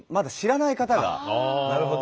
なるほど。